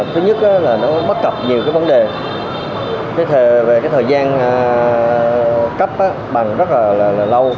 thứ nhất là nó bất cập nhiều cái vấn đề về cái thời gian cách bằng rất là lâu